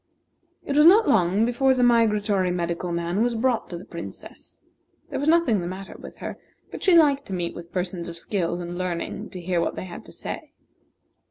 It was not long before the migratory medical man was brought to the Princess. There was nothing the matter with her, but she liked to meet with persons of skill and learning to hear what they had to say.